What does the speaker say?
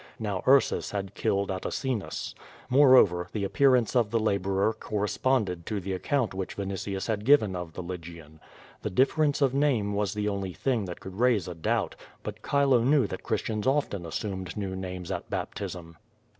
Now Ursus had killed Atacinus. More over, the appearance of the laborer corresponded to the ac count which Vinitius had given of the Lygian. The diflfer ence of name was the only thing that could raise a doubt, but Chile knew that Christians often assumed new names at baptism.